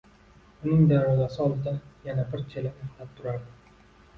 Uning darvozasi oldida yana bir chelak axlat turardi.